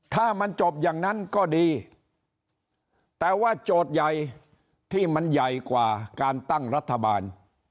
ถ้ามันจบอย่างนั้นก็ดีแต่ว่าโจทย์ใหญ่ที่มันใหญ่กว่าการตั้งรัฐบาล